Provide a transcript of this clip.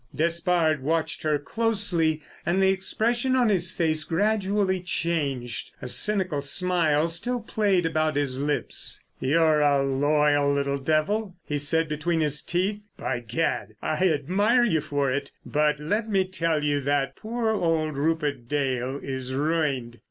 Despard watched her closely, and the expression on his face gradually changed. A cynical smile still played about his lips. "You're a loyal little devil!" he said between his teeth. "By gad! I admire you for it. But let me tell you that poor old Rupert Dale is ruined.